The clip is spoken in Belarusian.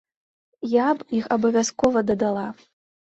Я б іх абавязкова дадала.